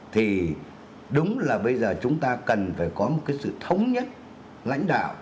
thì đúng là bây giờ chúng ta cần phải có một cái sự thống nhất lãnh đạo